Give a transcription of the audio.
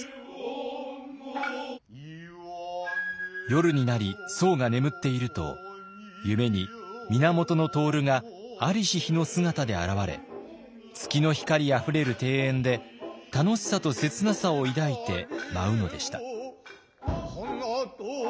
夜になり僧が眠っていると夢に源融が在りし日の姿で現れ月の光あふれる庭園で楽しさと切なさを抱いて舞うのでした。